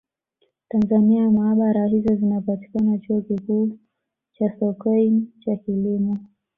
Tanzania maabara hizo zinapatikana Chuo Kikuu cha Sokoine cha Kilimo